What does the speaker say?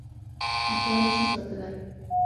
ځان نه شې ساتلی.